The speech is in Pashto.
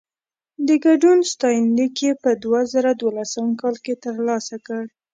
د ګډون ستاینلیک يې په دوه زره دولسم کال کې ترلاسه کړ.